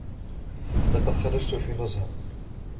لقد خرجت في نزهة.